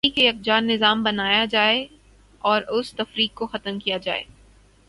تھی کہ یکجا نظا م بنایا جائے اور اس تفریق کو ختم کیا جائے۔